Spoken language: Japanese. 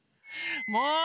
もう。